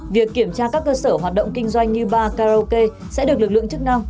việc kiểm tra các cơ sở hoạt động kinh doanh như ba karaoke sẽ được lực lượng chức năng